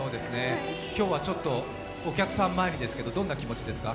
今日はお客さんの前ですけどどんな気持ちですか？